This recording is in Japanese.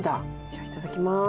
じゃあいただきます。